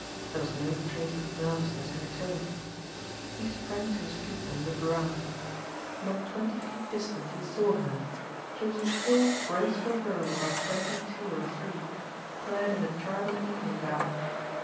There was no trace of nervousness in her tone. He sprang to his feet and looked around. Not twenty feet distant he saw her. She was a tall, graceful girl about twenty two or three, clad in a charming evening gown.